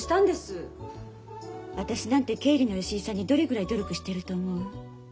私なんて経理の吉井さんにどれぐらい努力してると思う？